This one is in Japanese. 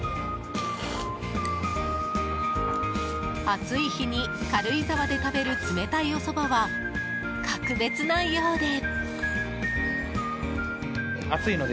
暑い日に、軽井沢で食べる冷たいおそばは格別なようで。